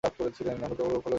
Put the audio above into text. আমার কেমন রোক হল, ঐ পথেই যাব।